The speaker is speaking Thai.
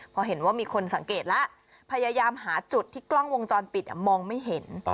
พอเห็นว่ามีคนสังเกตแล้วพยายามหาจุดที่กล้องวงจรปิดมองไม่เห็น